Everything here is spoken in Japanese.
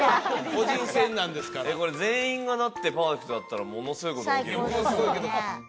個人戦なんですから全員がだってパーフェクトだったらものすごいことが起きる最高ですよね